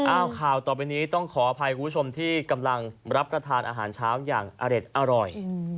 ข่าวต่อไปนี้ต้องขออภัยคุณผู้ชมที่กำลังรับประทานอาหารเช้าอย่างอเด็ดอร่อย